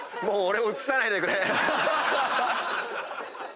もう俺を映さないでくれ！